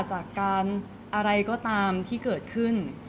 จากการอะไรก็ตามที่เกิดขึ้น